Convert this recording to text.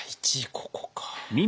ここか。